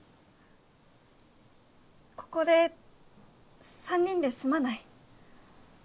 ここで３人で住まない？